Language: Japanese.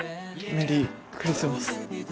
メリークリスマス。